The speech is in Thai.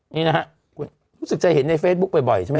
นี่นะครับคุณรู้สึกใจเห็นในเฟซบุ๊คบ่อยใช่ไหม